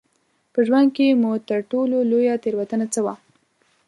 په ژوند کې مو تر ټولو لویه تېروتنه څه وه؟